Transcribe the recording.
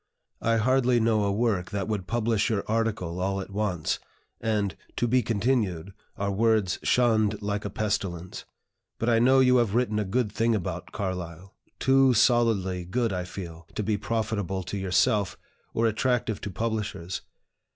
I hardly know a work that would publish your article all at once, and 'to be continued' are words shunned like a pestilence. But I know you have written a good thing about Carlyle, too solidly good, I fear, to be profitable to yourself, or attractive to publishers.